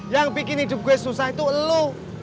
yang bikin hidup gue susah itu lo